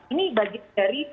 ini bagi dari